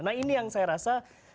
nah ini yang saya rasa